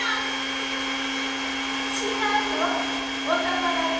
お友達。